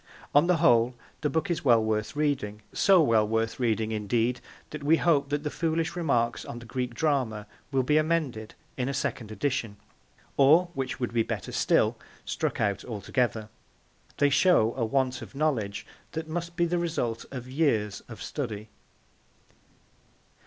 On the whole, the book is well worth reading; so well worth reading, indeed, that we hope that the foolish remarks on the Greek Drama will be amended in a second edition, or, which would be better still, struck out altogether. They show a want of knowledge that must be the result of years of study.